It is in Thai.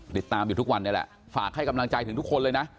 ติดตามอยู่ทุกวันนี้แหละฝากให้กำลังใจถึงทุกคนเลยนะ